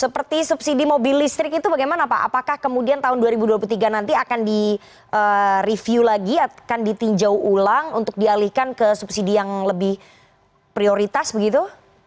seperti subsidi mobil listrik itu bagaimana pak apakah kemudian tahun dua ribu dua puluh tiga nanti akan di review lagi akan ditinjau ulang untuk dialihkan ke subsidi yang lebih prioritas begitu